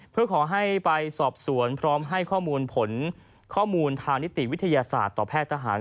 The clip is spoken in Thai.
เพื่อขอให้ไปสอบสวนพร้อมให้ข้อมูลผลข้อมูลทางนิติวิทยาศาสตร์ต่อแพทย์ทหาร